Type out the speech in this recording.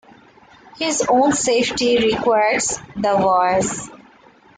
His own safety requires the Voice.